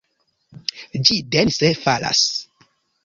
Ĝi dense falas!